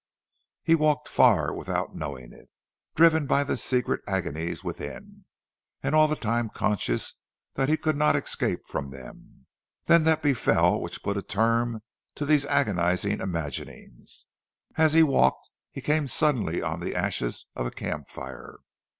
He walked far without knowing it, driven by the secret agonies within, and all the time conscious that he could not escape from them. Then that befell which put a term to these agonizing imaginings. As he walked he came suddenly on the ashes of a camp fire.